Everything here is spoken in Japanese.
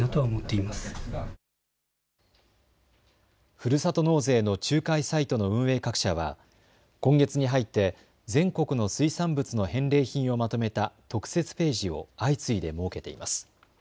ふるさと納税の仲介サイトの運営各社は今月に入って全国の水産物の返礼品をまとめた特設ページを相次いで設けています。